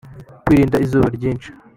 kwirinda izuba ryinshi